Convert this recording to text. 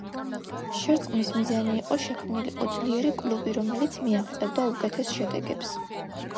შერწყმის მიზანი იყო შექმნილიყო ძლიერი კლუბი, რომელიც მიაღწევდა უკეთეს შედეგებს.